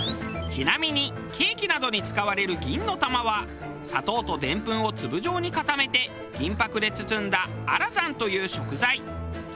ちなみにケーキなどに使われる銀の玉は砂糖とデンプンを粒状に固めて銀箔で包んだアラザンという食材。